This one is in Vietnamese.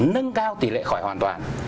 nâng cao tỷ lệ khỏi hoàn toàn